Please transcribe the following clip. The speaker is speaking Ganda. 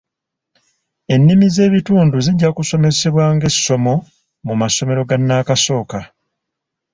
Ennimi z’ebitundu zijja kusomesebwa ng’essomo mu masomero ga nnakasooka.